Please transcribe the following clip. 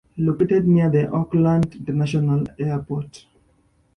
Located near the Oakland International Airport.